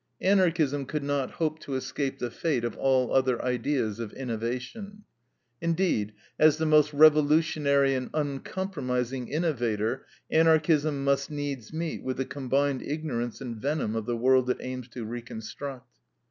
Anarchism could not hope to escape the fate of all other ideas of innovation. Indeed, as the most revolutionary and uncompromising innovator, Anarchism must needs meet with the combined ignorance and venom of the world it aims to reconstruct.